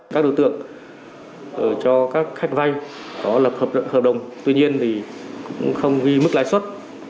các đối tượng cho các khách vay có lập hợp đồng tuy nhiên thì cũng không ghi mức lãi suất